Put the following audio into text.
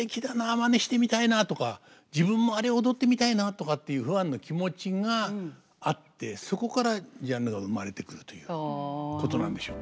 真似してみたいな」とか「自分もあれ踊ってみたいな」とかっていうファンの気持ちがあってそこからジャンルが生まれてくるということなんでしょうね。